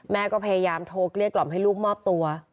แม่ก็พยายามโทรเกลี้ยกล่อมให้ลูกมอบตัว